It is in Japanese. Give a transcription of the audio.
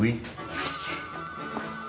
よし。